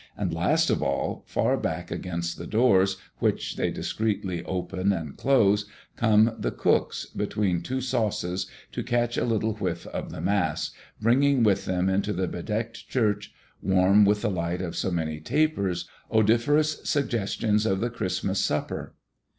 And last of all, far back against the doors, which they discreetly open and close, come the cooks, between two sauces, to catch a little whiff of the Mass, bringing with them into the bedecked church, warm with the light of so many tapers, odoriferous suggestions of the Christmas supper.